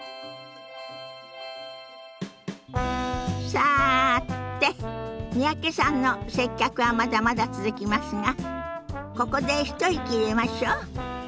さて三宅さんの接客はまだまだ続きますがここで一息入れましょ。